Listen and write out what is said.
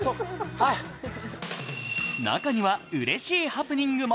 中には、うれしいハプニングも。